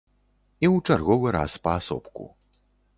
І ў чарговы раз паасобку.